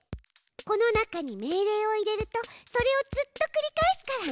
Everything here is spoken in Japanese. この中に命令を入れるとそれをずっとくり返すから。